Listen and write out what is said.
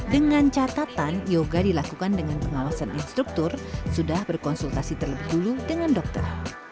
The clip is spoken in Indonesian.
dengan catatan yoga dilakukan dengan pengawasan instruktur sudah berkonsultasi terlebih dulu dengan dokter